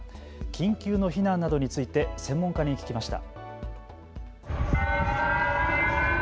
緊急の避難などについて専門家に聞きました。